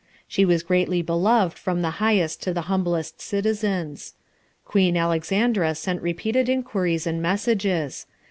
She was greatly beloved from the highest to the humblest citizens. Queen Alexandra sent repeated inquiries and messages.